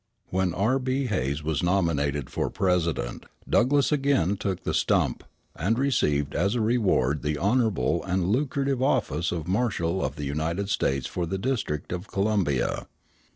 When R. B. Hayes was nominated for President, Douglass again took the stump, and received as a reward the honorable and lucrative office of Marshal of the United States for the District of Columbia.